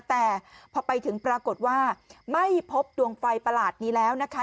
แต่พอไปถึงปรากฏว่าไม่พบดวงไฟประหลาดนี้แล้วนะคะ